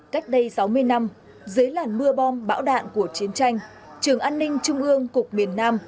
cách đây sáu mươi năm dưới làn mưa bom bão đạn của chiến tranh trường an ninh trung ương cục miền nam